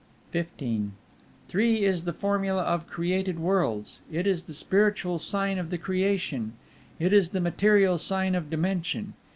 XV Three is the formula of created worlds. It is the Spiritual Sign of the creation, as it is the Material Sign of dimension.